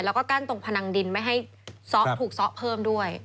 แล้วก็กั้นตรงพนังดินไม่ให้ถูกซ้อเพิ่มด้วย